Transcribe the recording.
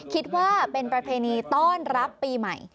คิดว่าเป็นประเพณีต้อนรับปีใหม่